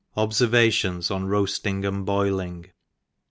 J^bjtrvations on Roasting and Boiling.